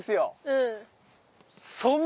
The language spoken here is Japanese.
うん。